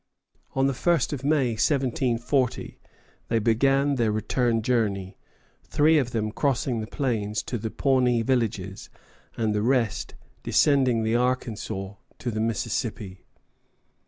On the 1st of May, 1740, they began their return journey, three of them crossing the plains to the Pawnee villages, and the rest descending the Arkansas to the Mississippi.